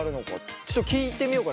ちょっと聞いてみようかな。